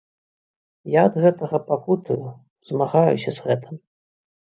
Я ад гэтага пакутую, змагаюся з гэтым.